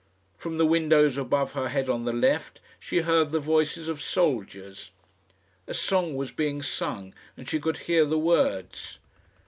From the windows above her head on the left, she heard the voices of soldiers. A song was being sung, and she could hear the words.